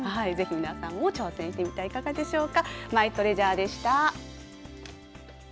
ぜひ皆さんも挑戦してみてはいかがでしょうか。